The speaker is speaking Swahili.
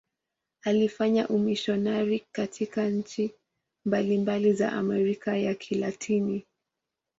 Alifanya umisionari katika nchi mbalimbali za Amerika ya Kilatini.